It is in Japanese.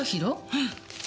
うん。